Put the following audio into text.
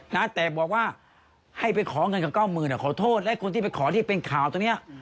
นะแต่บอกว่าให้ไปขอเงินกับเก้าหมื่นอ่ะขอโทษและคนที่ไปขอที่เป็นข่าวตรงเนี้ย